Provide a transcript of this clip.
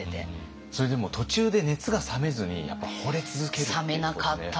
それでも途中で熱が冷めずにやっぱほれ続けるっていうことで。